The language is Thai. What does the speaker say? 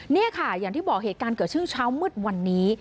นี่ค่ะอย่างที่บอกเหตุการณ์เกิดช่วงเช้ามืดวันนี้